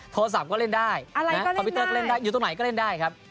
โทรศัพท์ก็เล่นได้คอมพิวเตอร์ก็เล่นได้อยู่ตรงไหนก็เล่นได้ครับ